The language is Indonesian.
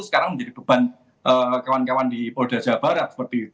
sekarang menjadi beban kawan kawan di polda jawa barat